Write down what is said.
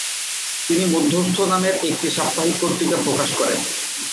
তিনি মধ্যস্থ নামের একটি সাপ্তাহিক পত্রিকা প্রকাশ করেন ।